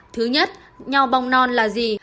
thứ nhất nho bong non là gì